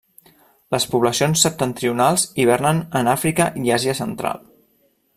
Les poblacions septentrionals hibernen en Àfrica i Àsia Central.